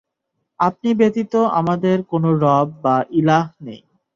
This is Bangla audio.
আপনি ব্যতীত আমাদের কোন রব বা ইলাহ নেই।